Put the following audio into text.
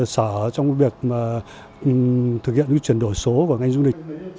sở trong việc thực hiện lưu truyền đổi số và ngành du lịch